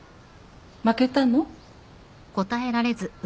負けたの？